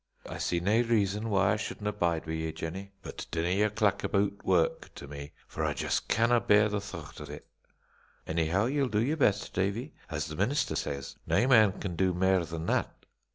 "I see nae reason why I shouldna bide wi' yet Jennie; but dinna ye clack aboot work to me, for I just canna bear the thoct o't." "Anyhow, ye'll do your best, Davie? As the minister says, nae man can do mair than that."